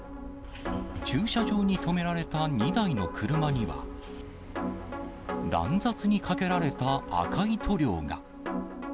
駐車場に止められた２台の車には、乱雑にかけられた赤い塗料が。